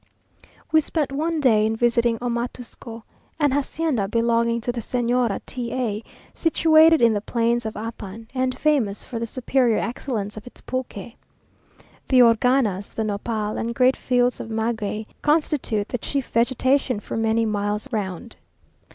We spent one day in visiting Omatusco, an hacienda belonging to the Señora T a, situated in the plains of Apan, and famous for the superior excellence of its pulque. The organas, the nopal, and great fields of maguey, constitute the chief vegetation for many miles round.